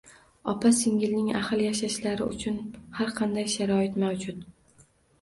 Opa-singilning ahil yashashlari uchun har qanday sharoit mavjud